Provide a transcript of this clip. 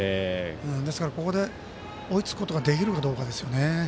ですから、ここで追いつくことができるかどうかですよね。